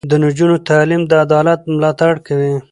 د نجونو تعلیم د عدالت ملاتړ کوي.